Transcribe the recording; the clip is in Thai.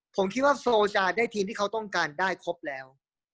ผมคิดว่าโฟลจะได้ทีมที่เขาต้องการได้ครบแล้ว